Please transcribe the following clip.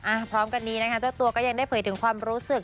พร้อมกันนี้นะคะเจ้าตัวก็ยังได้เผยถึงความรู้สึก